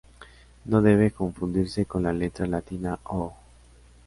No debe confundirse con la letra latina Ö.